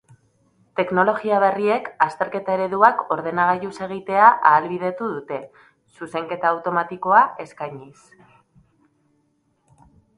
Teknologia berriek azterketa ereduak ordenagailuz egitea ahalbidetu dute, zuzenketa automatikoa eskainiz.